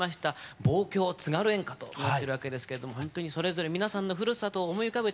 望郷津軽演歌といわれてるわけですけれどもほんとにそれぞれ皆さんのふるさとを思い浮かべて聴いて頂きたいなと。